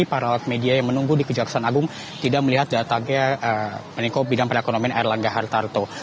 jadi para media yang menunggu di kejaksaan agung tidak melihat datangnya menko bidang perekonomian erlangga hartarto